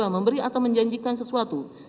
memberi atau menjanjikan sesuatu